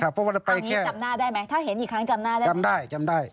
ถ้าเห็นอีกครั้งจำหน้าได้ไหมจำได้จำได้